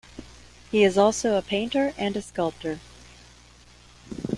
He is also a painter and sculptor.